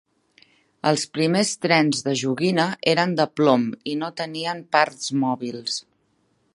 Els primers trens de joguina eren de plom i no tenien parts mòbils.